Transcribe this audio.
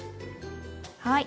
はい。